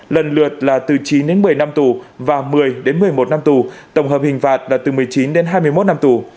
lần lượt là từ chín đến một mươi năm tù và một mươi đến một mươi một năm tù tổng hợp hình phạt là từ một mươi chín đến hai mươi một năm tù